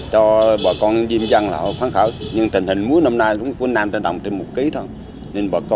cho bọn con diêm dân là họ phán khảo